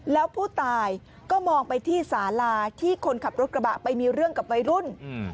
แล้วผู้ตายก็มองไปที่สาลาที่คนขับรถกระบะไปมีเรื่องกับวัยรุ่น